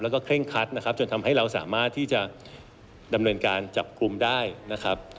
แล้วก็เคร่งคัดนะครับจนทำให้เราสามารถที่จะดำเนินการจับกลุ่มได้นะครับ